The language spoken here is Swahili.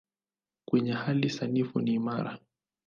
Kwenye hali sanifu ni imara.